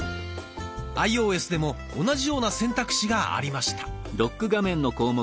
アイオーエスでも同じような選択肢がありました。